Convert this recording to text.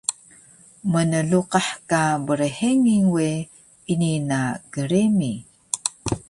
Mnluqah ka brhengil we, ini na gremi